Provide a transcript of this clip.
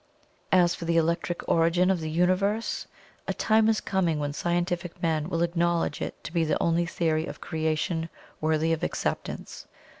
As for the Electric Origin of the Universe, a time is coming when scientific men will acknowledge it to be the only theory of Creation worthy of acceptance.